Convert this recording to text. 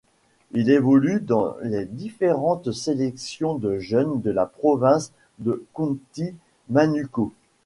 Il évolue dans les différentes sélections de jeunes de la province de Counties Manukau.